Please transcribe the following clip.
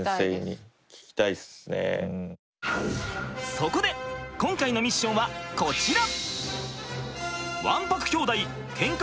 そこで今回のミッションはこちら！